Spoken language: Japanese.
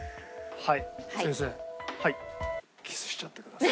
はい。